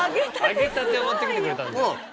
揚げたてを持ってきてくれたんで。